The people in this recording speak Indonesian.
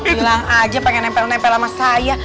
bilang aja pengen nempel nempel sama saya